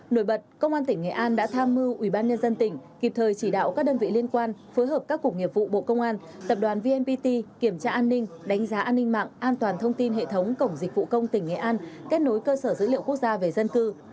nổi bật công an tỉnh nghệ an đã tham mưu ubnd tỉnh kịp thời chỉ đạo các đơn vị liên quan phối hợp các cục nghiệp vụ bộ công an tập đoàn vnpt kiểm tra an ninh đánh giá an ninh mạng an toàn thông tin hệ thống cổng dịch vụ công tỉnh nghệ an kết nối cơ sở dữ liệu quốc gia về dân cư